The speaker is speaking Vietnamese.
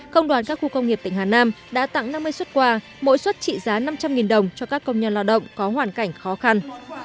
công đoàn các khu công nghiệp tỉnh hà nam đã tặng năm mươi xuất quà mỗi xuất trị giá năm trăm linh đồng cho các công nhân lao động có hoàn cảnh khó khăn